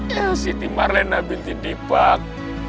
ya siti marlina binti dipak